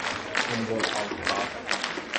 En voi auttaa.